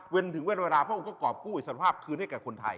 เป็นถึงเวลาพระองค์ก็กรอบกู้อิสรภาพคืนให้กับคนไทย